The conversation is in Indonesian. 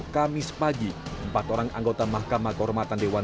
kamis pagi empat orang anggota mahkamah kehormatan dewan